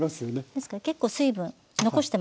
ですから結構水分残してますよね。